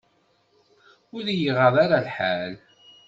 Ur y-iɣaḍ ara lḥal.